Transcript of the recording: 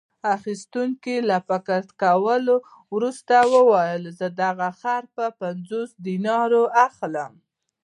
اخیستونکي له فکر کولو وروسته وویل: زه دغه خر په پنځوسو دینارو اخلم.